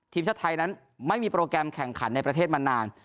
ทีมชาติไทยนั้นไม่มีโปรแกรมแข่งขันในประเทศมานาน